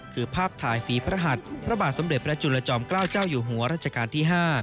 คือภาพถ่ายฝีพระหัสพระบาทสมเด็จพระจุลจอมเกล้าเจ้าอยู่หัวรัชกาลที่๕